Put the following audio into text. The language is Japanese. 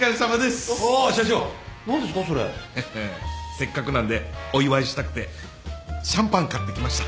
せっかくなんでお祝いしたくてシャンパン買ってきました。